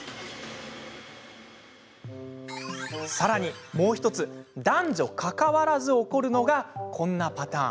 さらにもう１つ男女かかわらず起こるのがこんなパターン。